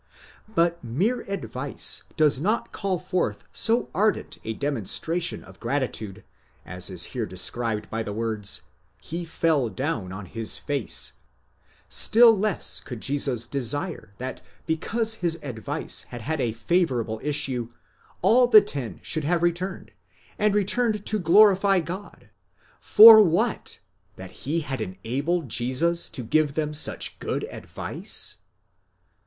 * But mere advice does not call forth so ardent a de monstration of gratitude as is here described by the words ἔπεσεν ἐπὶ πρόσωπον, he fell down on his face ; still less could Jesus desire that because his advice had had a favourable issue, all the ten should have returned, and returned to glorify God—for what ? that he had enabled Jesus to give them such good advice?